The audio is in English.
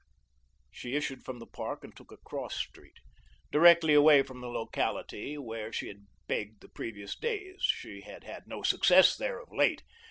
She issued from the park and took a cross street, directly away from the locality where she had begged the previous days. She had had no success there of late.